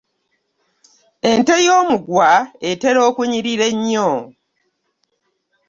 Ente ey'omuguwa etera okunyirira ennyo.